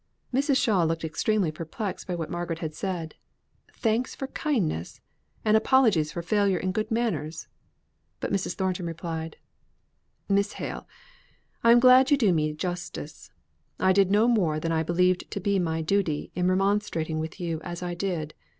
Mrs. Shaw looked extremely perplexed by what Margaret had said. Thanks for kindness! and apologies for failure in good manners! But Mrs. Thornton replied: "Miss Hale, I am glad you do me justice. I did no more than I believed to be my duty in remonstrating with you as I did.